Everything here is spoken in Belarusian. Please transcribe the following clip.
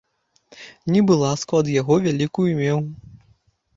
Нібы ласку ад яго вялікую меў.